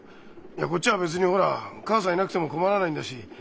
いやこっちは別にほら母さんいなくても困らないんだし。